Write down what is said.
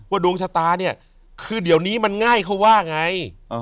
ดวงชะตาเนี่ยคือเดี๋ยวนี้มันง่ายเขาว่าไง